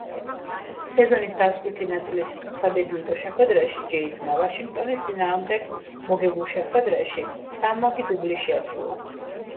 სეზონის დასკვნითი ნაწილის სადებიუტი შეხვედრაში ჯეიმზმა ვაშინგტონის წინააღმდეგ მოგებულ შეხვედრაში სამმაგი დუბლი შეასრულა.